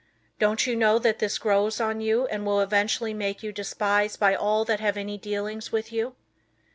Don't you know that this grows on you and will eventually make you despised by all that have any dealings with you?